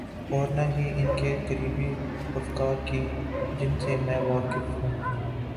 اورنہ ہی ان کے قریبی رفقا کی، جن سے میں واقف ہوں۔